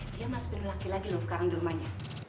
dia masih pilih laki lagi loh sekarang di rumahnya